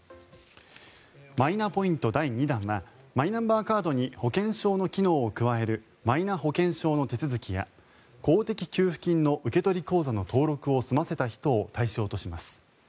マイナポイント第２弾はマイナンバーカードに保険証の機能を加えるマイナ保険証の手続きや公的給付金の受け取り口座の登録を済ませた人を対象とします。